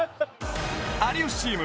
有吉チーム